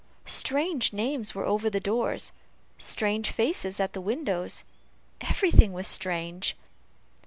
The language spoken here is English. Strange names were over the doors strange faces at the windows everything was strange.